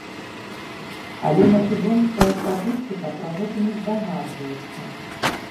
Але македонская статыстыка пра гэта не здагадваецца.